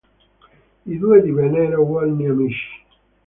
I due divennero buoni amici.